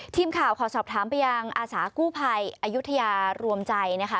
ทีมข่าวขอสอบถามไปยังอาสากู้ภัยอายุทยารวมใจนะคะ